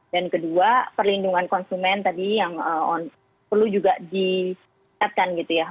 dan kedua perlindungan konsumen tadi yang perlu juga disetkan gitu ya